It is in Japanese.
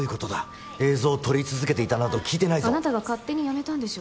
映像を撮り続けていたなど聞いてないぞあなたが勝手にやめたんでしょ